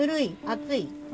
熱い？